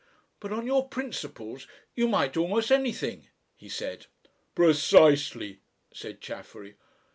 "But on your principles you might do almost anything!" he said. "Precisely!" said Chaffery.